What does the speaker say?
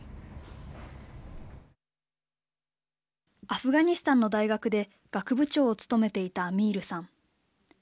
アフガニスタンの大学で学部長を務めていたアミールさん。